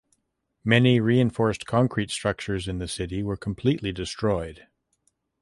Many reinforced concrete structures in the city were completely destroyed.